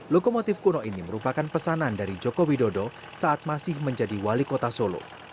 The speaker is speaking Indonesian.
lokomotif kuno ini merupakan pesanan dari joko widodo saat masih menjadi wali kota solo